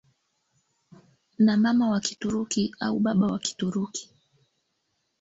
na mama wa Kituruki au baba wa Kituruki